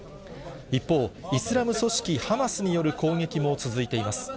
一方、イスラム組織ハマスによる攻撃も続いています。